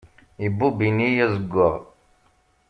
Ibubb ini azeggaɣ.